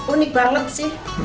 unik banget sih